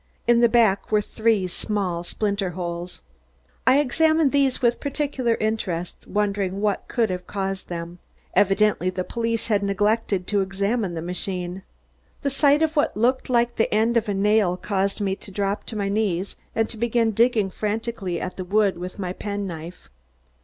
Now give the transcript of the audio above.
In the back were three small splintered holes. I examined these with particular interest, wondering what could have caused them. Evidently the police had neglected to examine the machine. The sight of what looked like the end of a nail caused me to drop to my knees and to begin digging frantically at the wood with my pen knife.